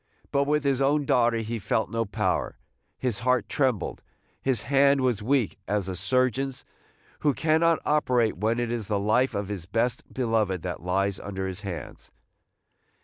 But with his own daughter he felt no power, – his heart trembled, – his hand was weak as the surgeon's who cannot operate when it is the life of his best beloved that lies under his hands.